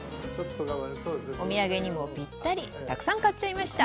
お土産にもぴったりたくさん買っちゃいました。